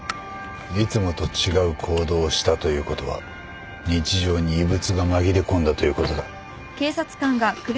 いつもと違う行動をしたということは日常に異物が紛れ込んだということだ。